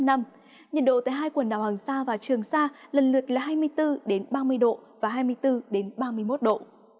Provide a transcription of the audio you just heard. nhiệt độ tại hai quần đảo hoàng sa và trường sa lần lượt là hai mươi bốn ba mươi độ và hai mươi bốn ba mươi một độ